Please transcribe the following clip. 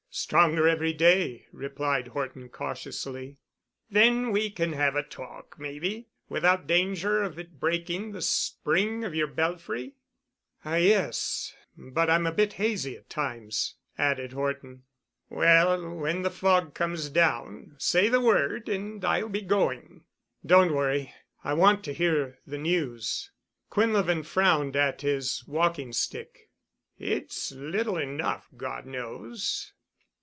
"Stronger every day," replied Horton cautiously. "Then we can have a talk, maybe, without danger of it breaking the spring in yer belfry?" "Ah, yes,—but I'm a bit hazy at times," added Horton. "Well, when the fog comes down, say the word and I'll be going." "Don't worry. I want to hear the news." Quinlevin frowned at his walking stick. "It's little enough, God knows."